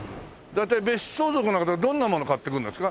大体別荘族の方はどんなものを買っていくんですか？